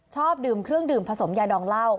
ชอบดื่มเครื่องดื่มผสมยาดองเหล้า